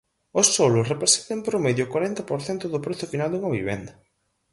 O solo representa en promedio o corenta por cen do prezo final dunha vivenda.